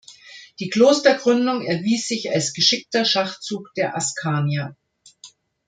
Die Klostergründung erwies sich als geschickter Schachzug der Askanier.